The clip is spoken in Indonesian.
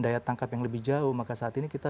daya tangkap yang lebih jauh maka saat ini kita